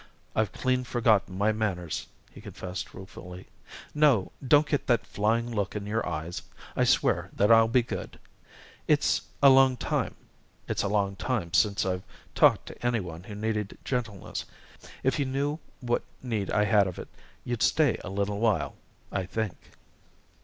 "I've clean forgotten my manners," he confessed ruefully. "No, don't get that flying look in your eyes I swear that I'll be good. It's a long time it's a long time since I've talked to any one who needed gentleness. If you knew what need I had of it, you'd stay a little while, I think."